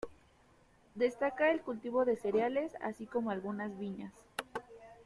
Destaca el cultivo de cereales, así como algunas viñas.